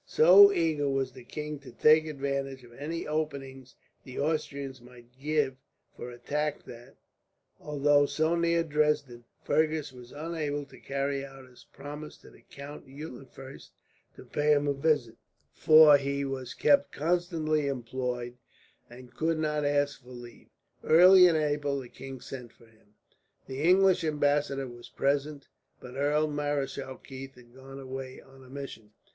So eager was the king to take advantage of any openings the Austrians might give for attack that, although so near Dresden, Fergus was unable to carry out his promise to the Count Eulenfurst to pay him a visit; for he was kept constantly employed, and could not ask for leave. Early in April the king sent for him. The English ambassador was present, but Earl Marischal Keith had gone away on a mission.